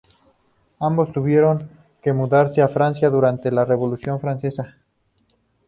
Ambos tuvieron que mudarse de Francia durante la Revolución francesa.